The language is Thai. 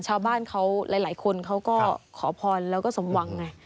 ชาวบ้านเขาหลายคนเขาก็ขอพรแล้วก็สมหวังไง